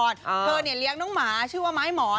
เธอเนี่ยเลี้ยงน้องหมาชื่อว่าไม้หมอน